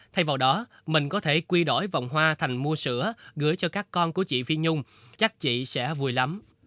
thay vào đó mình có thể quy đổi vòng hoa thành mua sữa gửi cho các con của chị phi nhung chắc chị sẽ vui lắm